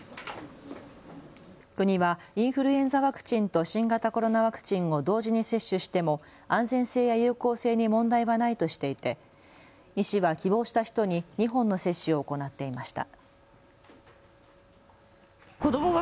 国はインフルエンザワクチンと新型コロナワクチンを同時に接種しても安全性や有効性に問題はないとしていて医師は希望した人に２本の接種を行っていました。